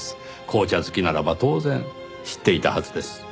紅茶好きならば当然知っていたはずです。